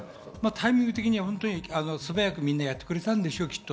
タイミング的には素早くみんなやってくれたんでしょう。